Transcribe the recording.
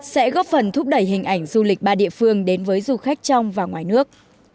sẽ góp phần thúc đẩy hình ảnh du lịch ba địa phương đến với du khách trong và ngoài nước